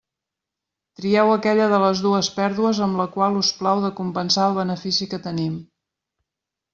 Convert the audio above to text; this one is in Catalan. Trieu aquella de les dues pèrdues amb la qual us plau de compensar el benefici que tenim.